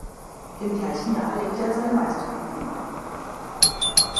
Im gleichen Jahr legte er seine Meisterprüfung ab.